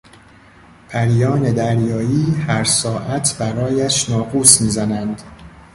پریان دریایی هر ساعت برایش ناقوس میزنند.